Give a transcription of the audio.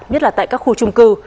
nhất là tại các khu chung cư